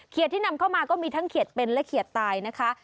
ที่นำเข้ามาก็มีทั้งเขียดเป็นและเขียดตายนะคะ